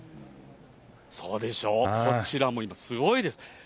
そうでしょう、こちらも今、すごいです。